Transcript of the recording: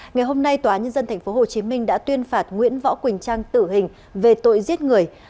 ngày hôm nay tòa nhân dân tp hcm đã tuyên phạt nguyễn võ quỳnh trang tử hình về tội giết người